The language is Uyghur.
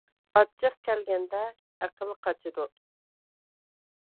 ئاچچىق كەلگەندە ئەقىل قاچىدۇ.